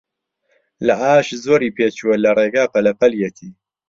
لە ئاش زۆری پێچووە، لە ڕێگا پەلە پەلیەتی